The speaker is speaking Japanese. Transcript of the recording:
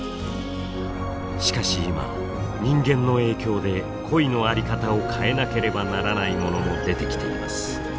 しかし今人間の影響で恋の在り方を変えなければならないものも出てきています。